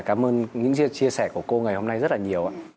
cảm ơn những chia sẻ của cô ngày hôm nay rất là nhiều ạ